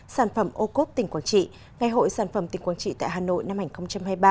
sản phẩm ô cốp tỉnh quảng trị ngày hội sản phẩm tỉnh quảng trị tại hà nội năm hai nghìn hai mươi ba